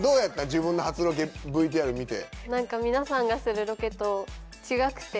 自分の初ロケＶＴＲ見て。